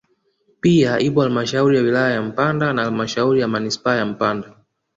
Pia ipo halmashauri ya wilaya ya Mpanda na halmashauri ya manispaa ya Mpanda